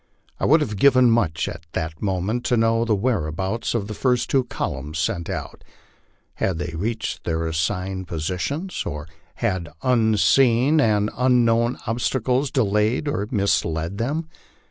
I would have given much at that moment to know the whereabouts of the first two columns sent out. Had they reached their assigned positions, or had unseen and un known obstacles delayed or misled them?